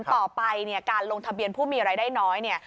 ต่อไปการลงทะเบียนผู้มีรายได้น้อย